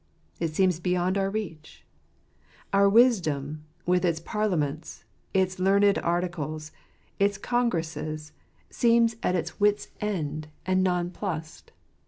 It seems beyond our reach. Our wisdom, with its parliaments, its learned articles, its congresses, seems at its wits' end and 78 %\ 7t Steps of tire ^brone. non plussed.